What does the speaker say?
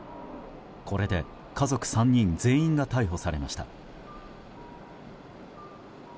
これで家族３人全員が逮捕されました。